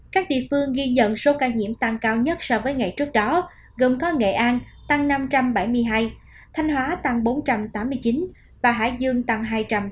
các địa phương ghi nhận số ca nhiễm tăng cao nhất so với ngày trước đó gồm có nghệ an tăng năm trăm bảy mươi hai thanh hóa tăng bốn trăm tám mươi chín và hải dương tăng hai trăm ba mươi